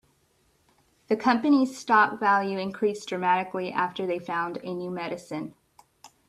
The company's stock value increased dramatically after they found a new medicine.